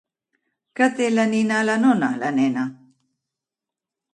Què té la nina a la nona, la nena?